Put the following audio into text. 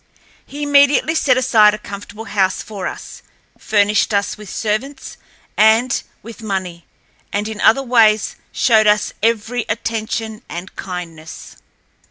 He immediately set aside a comfortable house for us, furnished us with servants and with money, and in other ways showed us every attention and kindness.